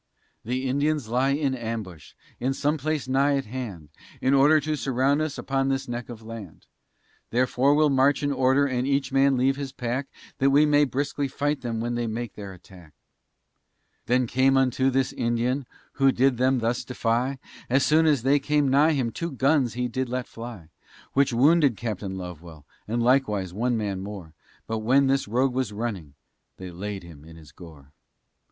"The Indians lie in ambush, in some place nigh at hand, In order to surround us upon this neck of land; Therefore we'll march in order, and each man leave his pack That we may briskly fight them, when they make their attack." They came unto this Indian, who did them thus defy, As soon as they came nigh him, two guns he did let fly, Which wounded Captain Lovewell, and likewise one man more, But when this rogue was running, they laid him in his gore.